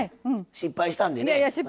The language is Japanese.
失敗したんでね。